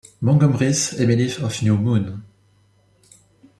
Montgomery's Emily of New Moon.